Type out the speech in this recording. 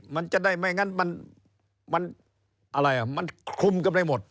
มันจะได้ไม่งั้นมันคลุมกันไปหมด